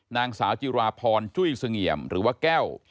นางสาวจิราพรจุ้ยเสงี่ยมหรือว่าแก้ว